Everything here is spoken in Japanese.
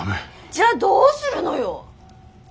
じゃあどうするのよ！